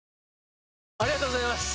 ありがとうございます！